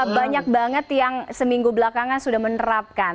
banyak banget yang seminggu belakangan sudah menerapkan